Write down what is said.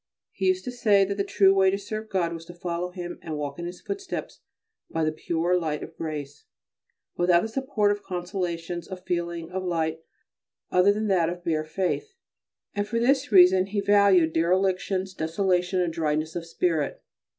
He used to say that the true way to serve God was to follow Him and walk in His footsteps by the pure light of grace, without the support of consolations, of feeling, of light, other than that of bare faith, and for this reason he valued derelictions, desolation, and dryness of spirit.